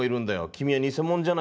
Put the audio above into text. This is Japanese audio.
君は偽者じゃないか？